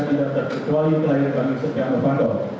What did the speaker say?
tidak terkecuali pelayar pelayar sekian ofador